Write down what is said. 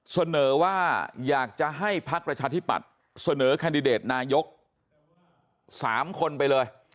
เสนอว่าอยากจะให้พักประชาธิปัตย์เสนอแคนดิเดตนายก๓คนไปเลย